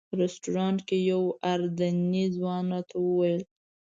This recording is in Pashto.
رسټورانټ کې یو اردني ځوان راته وویل.